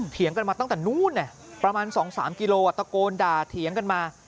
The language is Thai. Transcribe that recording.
เถียงกันมาตั้งแต่นู้นประมาณ๒๓กิโลตะโกนด่าเถียงกันมา